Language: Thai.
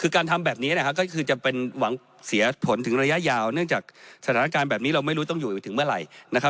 การทำแบบนี้จะเป็นหวังเสียผลถึงระยะยาวเนื่องจากสถานการณ์แบบนี้เราไม่รู้ต้องอยู่ถึงเมื่อไหร่